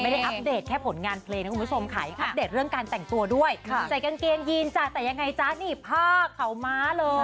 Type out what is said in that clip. อัปเดตแค่ผลงานเพลงนะคุณผู้ชมค่ะอัปเดตเรื่องการแต่งตัวด้วยใส่กางเกงยีนจ้ะแต่ยังไงจ๊ะนี่ผ้าขาวม้าเลย